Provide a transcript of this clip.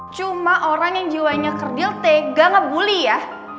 cuma orang yang jiwanya kerdil tega ngebully ya